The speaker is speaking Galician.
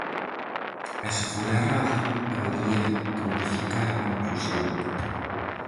E se fora errada, habería que modificar a conclusión.